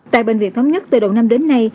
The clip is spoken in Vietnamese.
tại bệnh viện thống nhất từ đầu năm đến nay